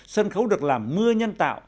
sân khấu được làm mưa nhân tạo